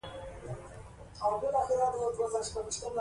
سیمونز هیله وکړه، ته به که خدای پاک وغواړي یو لوی جنرال شې.